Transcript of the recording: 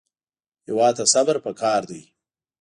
هېواد ته صبر پکار دی